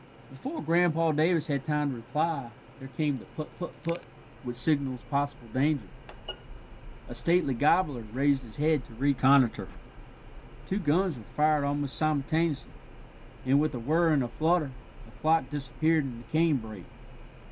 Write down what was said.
Before Grandpa Davis had time to reply, there came the "put put put" which signals possible danger. A stately gobbler raised his head to reconnoitre; two guns were fired almost simultaneously, and, with a whir and a flutter, the flock disappeared in the cane brake.